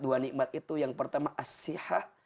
dua nikmat itu yang pertama as sihah